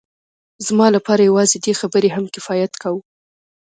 زما لپاره یوازې دې خبرې هم کفایت کاوه